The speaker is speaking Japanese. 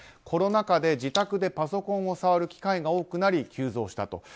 コロナ禍で自宅でパソコンを触る機会が多くなり急増したと。